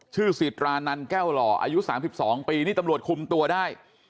สิตรานันแก้วหล่ออายุ๓๒ปีนี่ตำรวจคุมตัวได้